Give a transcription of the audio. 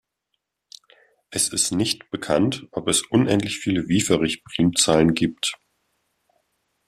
Es ist nicht bekannt, ob es unendlich viele Wieferich-Primzahlen gibt.